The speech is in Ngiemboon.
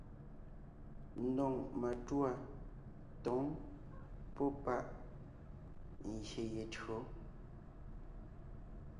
Ndóŋ matûa tǒŋ pɔ́ kwàʼ páʼ ngyè ye tÿǒ.